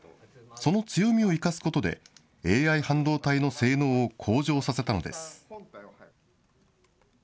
その強みを生かすことで、ＡＩ半導体の性能を向上させたのです。